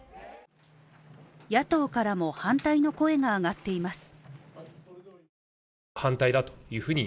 野党からも反対の声が上がっています。